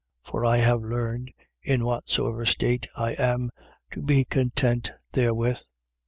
For I have learned, in whatsoever state I am, to be content therewith.